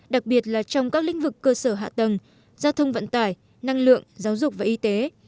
đặc biệt là trong các lĩnh vực cơ sở hạ tầng giao thông vận tải năng lượng giáo dục và y tế